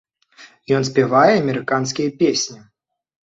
Ён спявае амерыканскія песні.